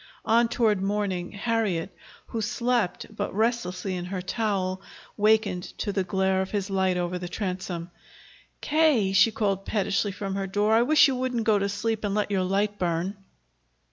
On toward morning, Harriet, who slept but restlessly in her towel, wakened to the glare of his light over the transom. "K.!" she called pettishly from her door. "I wish you wouldn't go to sleep and let your light burn!"